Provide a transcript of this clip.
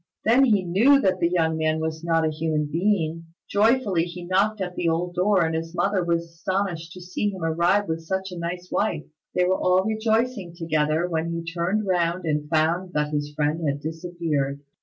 Then he knew that the young man was not a human being. Joyfully he knocked at the old door, and his mother was astonished to see him arrive with such a nice wife. They were all rejoicing together, when he turned round and found that his friend had disappeared.